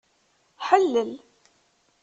Ḥellel.